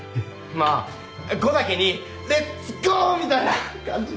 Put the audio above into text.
まあ５だけにレッツゴーみたいな感じですか？